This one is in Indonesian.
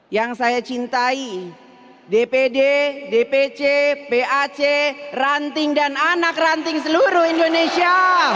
yang saya cintai dpd dpc pac ranting dan anak ranting seluruh indonesia